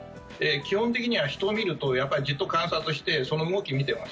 基本的には人を見るとじっと観察してその動きを見てます。